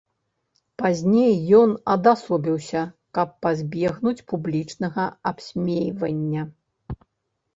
Пазней ён адасобіўся, каб пазбегнуць публічнага абсмейвання.